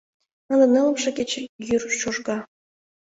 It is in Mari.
Ынде нылымше кече йӱр чожга.